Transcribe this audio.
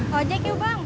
project yuk bang